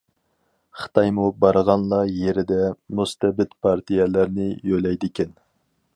خىتايمۇ بارغانلار يېرىدە مۇستەبىت پارتىيەلەرنى يۆلەيدىكەن.